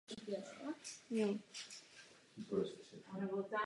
Deník je považovaný za levicově orientovaný.